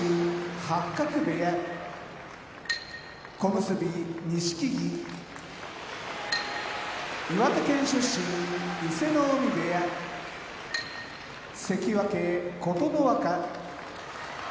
八角部屋小結・錦木岩手県出身伊勢ノ海部屋関脇・琴ノ若千葉県出身